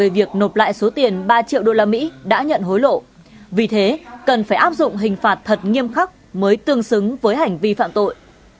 việc nộp lại số tiền ba triệu usd đã nhận hối lộ vì thế cần phải áp dụng hình phạt thật nghiêm khắc mới tương xứng với hành vi phạm tội